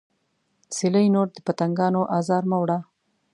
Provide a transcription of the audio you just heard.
سیلۍ نور د پتنګانو ازار مه وړه